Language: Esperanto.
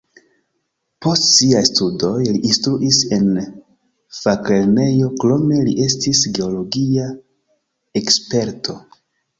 Post siaj studoj li instruis en faklernejo, krome li estis geologia eksperto.